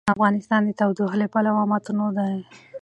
افغانستان د تودوخه له پلوه متنوع دی.